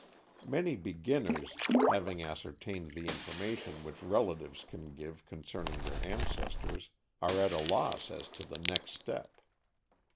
Many beginners, having ascertained the information which relatives can give concerning their ancestors, are at a loss as to the next step.